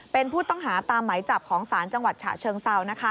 เป็นผู้ต้องหาตามไหมจับของศาลจังหวัดฉะเชิงเซา